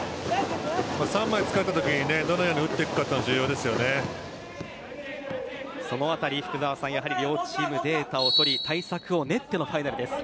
３枚使われたときにどのように打っていくかその辺り、福澤さん両チーム、データを取り対策を練ってのファイナルです。